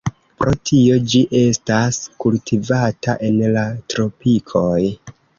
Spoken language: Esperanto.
Pro tio ĝi estas kultivata en la tropikoj.